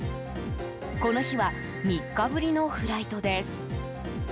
この日は３日ぶりのフライトです。